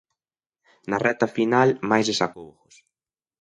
Na recta final máis desacougos.